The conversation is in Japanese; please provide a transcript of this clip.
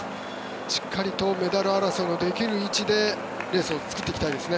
しっかりとメダル争いができる位置でレースを作っていきたいですね。